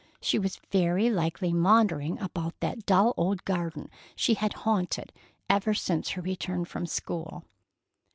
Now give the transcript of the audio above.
She was very likely maundering about that dull old garden she had haunted ever since her return from school.